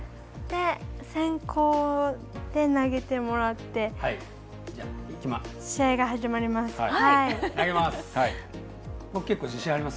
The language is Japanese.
先行で投げてもらって試合が始まります。